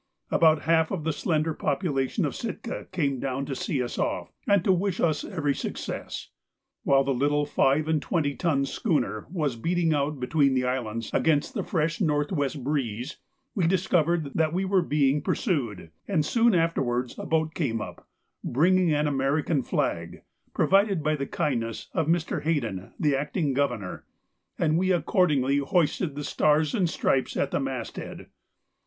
About half of the slender population of Sitka came down to see us off, and to wish us every success. While the little five and twenty ton schooner was beating out between the islands against the fresh north west breeze we discovered that we were being pursued, and soon afterwards a boat came up, bringing an American flag, provided by the kindness of Mr. Hayden, the Acting Governor, and we accordingly hoisted the Stars and Stripes at the masthead.